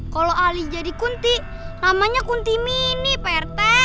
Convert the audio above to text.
kalau ali jadi kunti namanya kunti mini pak rete